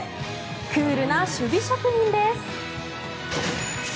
クールな守備職人です。